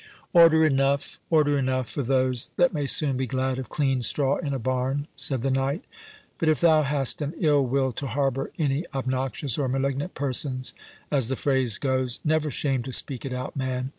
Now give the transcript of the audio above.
"Order enough—order enough for those that may soon be glad of clean straw in a barn," said the knight; "but if thou hast an ill will to harbour any obnoxious or malignant persons, as the phrase goes, never shame to speak it out, man.